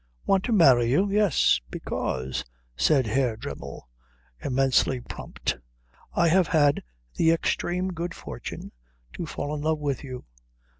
"Want to marry you?" "Yes." "Because," said Herr Dremmel, immensely prompt, "I have had the extreme good fortune to fall in love with you."